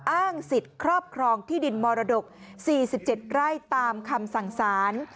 อ้างสิทธิ์ครอบครองที่ดินมรดก๔๗ไร่ตามคำสั่งสาร